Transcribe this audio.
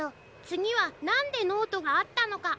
つぎは「なんでノートがあったのか？」